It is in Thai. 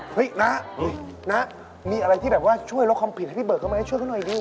เฮ้ยนะมีอะไรที่ช่วยลบคำผิดให้เฟิร์ดเข้ามาให้ช่วยเข้าหน่อยดิ